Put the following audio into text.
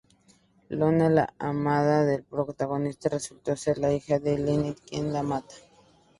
Lona, la amada del protagonista, resulta ser la hija de Lilith, quien la mata.